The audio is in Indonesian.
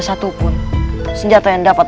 satupun senjata yang dapat